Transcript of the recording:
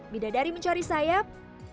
bidadari mencari sayap